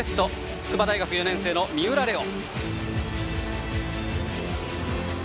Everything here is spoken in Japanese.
筑波大学４年生の三浦玲央。